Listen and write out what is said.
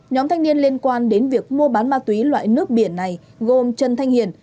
nhóm thanh niên liên quan đến việc mua bán ma túy loại nước biển này gồm trần thanh hiền